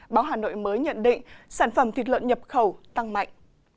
báo hà nội mới nhận định sản phẩm thịt lợn nhập khẩu tăng mạnh